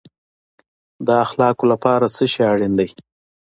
د اخلاقو لپاره څه شی اړین دی؟